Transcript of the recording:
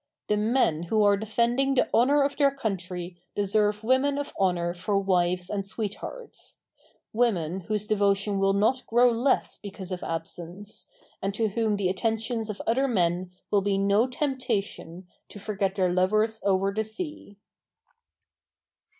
The men who are defending the honor of their country deserve women of honor for wives and sweethearts—women whose devotion will not grow less because of absence, and to whom the attentions of other men will be no temptation to forget their lovers over the sea.